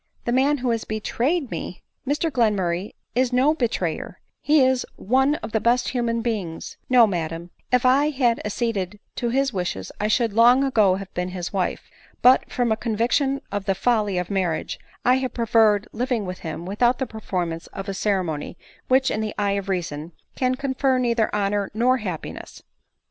" The man who has betrayed me ! Mr Glenraurray is no betrayer — he is one of the best of human beings* No, madam ; if I had acceded to his wishes, I should long ago have been his wife ; but, from a conviction of the folly of marriage, I have preferred living with him without the performance of a ceremony which, in the eye of reason, can confer neither honor nor happiness."